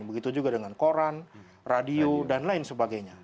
begitu juga dengan koran radio dan lain sebagainya